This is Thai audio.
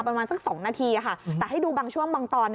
ประมาณสัก๒นาทีค่ะแต่ให้ดูบางช่วงบางตอน